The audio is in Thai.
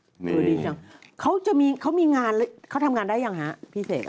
โอ้ยดีจังเขามีงานเขาทำงานได้หรือยังฮะพี่เสก